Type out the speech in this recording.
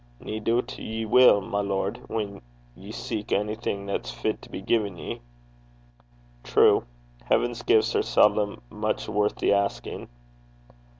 'Nae doobt ye will, my lord, whan ye seek onything that's fit to be gien ye.' 'True. Heaven's gifts are seldom much worth the asking.'